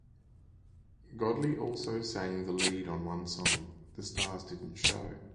Godley also sang the lead on one song, "The Stars Didn't Show".